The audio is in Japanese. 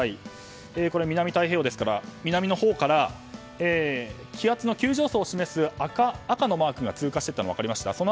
南太平洋ですから、南のほうから気圧の急上昇を示す赤のマークが通過していったのが分かりましたか。